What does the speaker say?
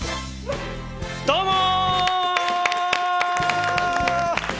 どうも！